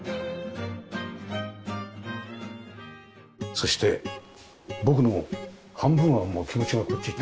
そして僕の半分はもう気持ちがこっちに行って。